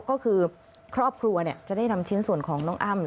ก็คือครอบครัวจะได้นำชิ้นส่วนของน้องอ้ำ